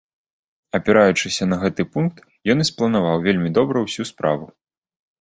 Апіраючыся на гэты пункт, ён і спланаваў вельмі добра ўсю справу.